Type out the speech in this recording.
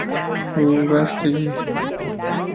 Bessy said that she had already seen this new film.